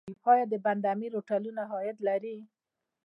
آیا د بند امیر هوټلونه عاید لري؟